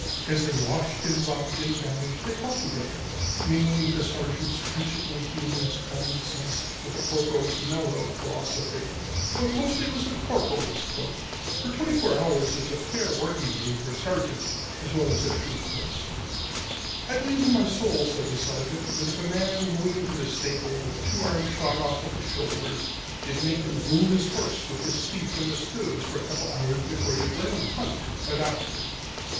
As they washed and rubbed and bandaged, they talked together, mingling the Sergeant's trenchantly humorous common sense with the Corporal's mellow philosophy. But mostly it was the Corporal that spoke, for twenty four hours is a fair working day for a Sergeant as well as a Troop horse. "I believe in my soul," said the Sergeant, "that if a man rode into this stable with his two arms shot off at the shoulder, you'd make him groom his horse with his teeth and his toes for a couple of hours before you'd let him hunt a doctor."